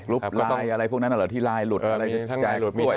ลูปไลน์อะไรพวกนั้นหรือที่ไลน์หลุด